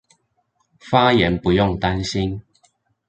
發言不用擔心